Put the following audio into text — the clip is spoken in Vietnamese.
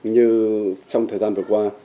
như trong thời gian vừa qua